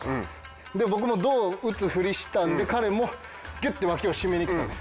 で僕も胴を打つふりしたんで彼もギュッて脇を締めにきたの。